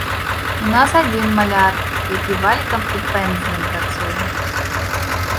У нас адзін маляр, які валікам і пэндзлем працуе.